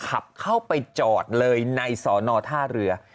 ขับเข้าไปจอดเลยในสอนอท่าเรือ